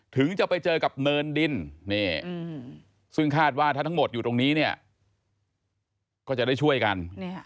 ถึงจะไปเจอกับเนินดินซึ่งคาดว่าถ้าทั้งหมดอยู่ตรงนี้เนี่ยก็จะได้ช่วยกัน